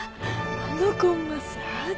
あのコンマス派手。